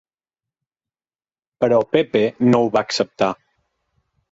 Però Pepe no ho va acceptar.